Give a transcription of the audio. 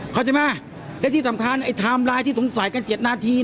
เขาใช่ไหมและที่สำคัญไอ้ไทม์ไลน์ที่สงสัยกัน๗นาที